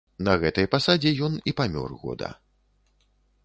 На гэтай пасадзе ён і памёр года.